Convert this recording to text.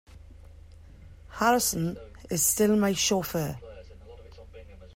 Harrison is still my chauffeur.